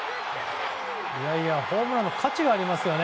ホームランの価値がありますよね。